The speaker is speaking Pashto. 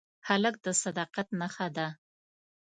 هلک د صداقت نښه ده.